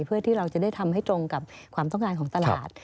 เพื่อที่เราจะได้ทำให้ตรงกับความต้องการของตลาด